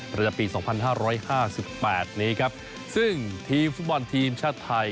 ประจำปีสองพันธ์ห้าร้อยห้าสิบแปดนี้ครับซึ่งทีมฟุ่มบอลทีมชาติไทย